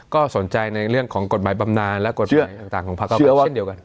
ก็สนใจในเรื่องของกฎหมายบำนานและกฎหมายต่างของภาคเก้าเช่นเดียวกัน